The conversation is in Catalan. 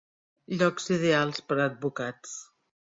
Llocs ideals per a advocats.